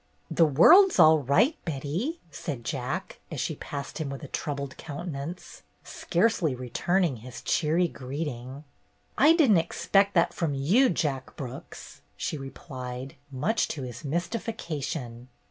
''The world 's all right, Betty," said Jack, as she passed him with a troubled counte nance, scarcely returning his cheery greeting. "I didn't expect that from you. Jack Brooks," she replied, much to his mystification.